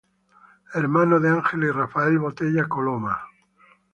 Hermano de Ángela y Rafael Botella Coloma.